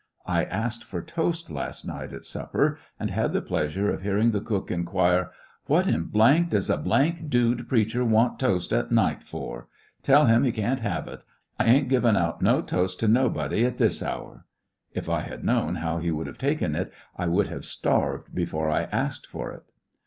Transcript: I asked for toast last night at supper^ and had the pleasure of hearing the cook inquire^ ^What in does the dude preacher want toast at night for 1 Tell him he can't have it. I aln^t givin^ out no toast to nobody at this hour,' If I had known how he would have taken it^ I would have starved before I asked for it.